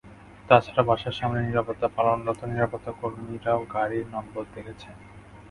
তা ছাড়া বাসার সামনে দায়িত্ব পালনরত নিরাপত্তাকর্মীরাও গাড়ির নম্বর দেখেছেন।